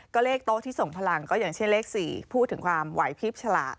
ก็เลขโต๊ะที่ส่งพลังก็อย่างเช่นเลข๔พูดถึงความไหวพลิบฉลาด